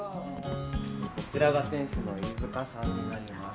こちらが店主の飯塚さんになります。